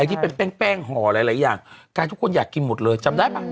ที่เป็นแป้งห่อหลายหลายอย่างกลายทุกคนอยากกินหมดเลยจำได้ป่ะ